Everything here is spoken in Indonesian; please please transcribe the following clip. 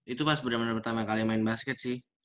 itu mah sebenarnya pertama kali main basket sih